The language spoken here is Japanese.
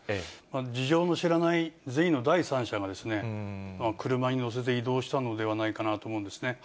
事情の知らない善意の第三者が車に乗せて移動したのではないかなと思うんですね。